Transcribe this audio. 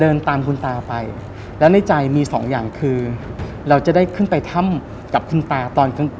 เดินตามคุณตาไปแล้วในใจมีสองอย่างคือเราจะได้ขึ้นไปถ้ำกับคุณตาตอนกลาง